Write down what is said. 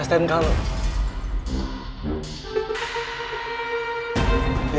en jadi jam nya gak dirugi ya